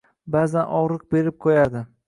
Ba’zan og‘riq berib qo‘yardi.